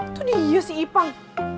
itu dia si ipang